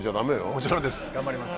もちろんです頑張ります。